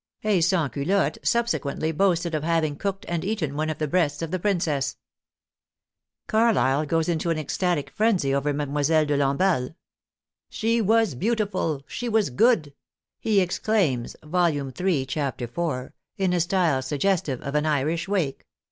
A Sansculotte subsequently boasted of having cooked and eaten one of the breasts of the princess. Carlyle goes into an ecstatic frenzy over Mdlle. de Lamballe. She was beautiful, she was good," he exclaims (vol. iii., chap 4), in a style suggestive of an Irish wake.